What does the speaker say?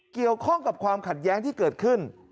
เกี่ยวข้องกับความขัดแย้งที่เกิดขึ้น